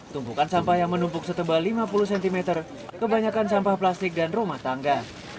tumpukan sampah yang menumpuk setebal lima puluh cm kebanyakan sampah plastik dan rumah tangga